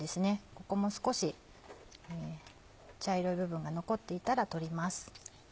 ここも少し茶色い部分が残っていたら取ります。